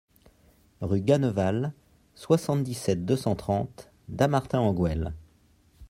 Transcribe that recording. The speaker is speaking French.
Rue Ganneval, soixante-dix-sept, deux cent trente Dammartin-en-Goële